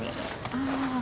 ああ。